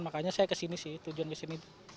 makanya saya ke sini sih tujuan ke sini